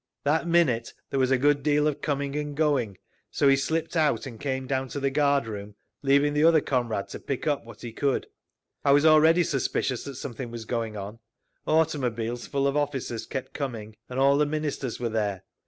That minute there was a good deal of coming and going, so he slipped out and came down to the guard room, leaving the other comrade to pick up what he could. "I was already suspicious that something was going on. Automobiles full of officers kept coming, and all the Ministers were there.